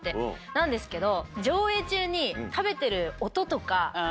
なんですけど。